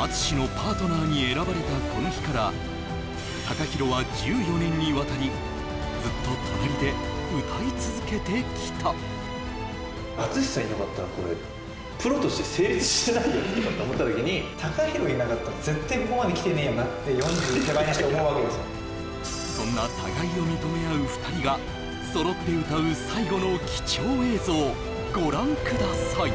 ＡＴＳＵＳＨＩのパートナーに選ばれたこの日からＴＡＫＡＨＩＲＯは１４年にわたりずっと隣で歌い続けてきたそんな互いを認め合う２人が揃って歌う最後の貴重映像ご覧ください